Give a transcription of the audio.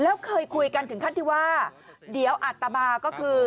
แล้วเคยคุยกันถึงขั้นที่ว่าเดี๋ยวอัตมาก็คือ